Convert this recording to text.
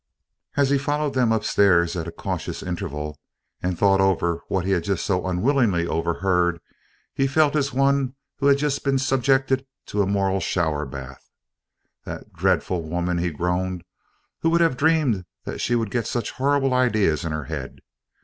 As he followed them upstairs at a cautious interval, and thought over what he had just so unwillingly overheard, he felt as one who had just been subjected to a moral showerbath. "That dreadful woman!" he groaned. "Who would have dreamed that she would get such horrible ideas into her head?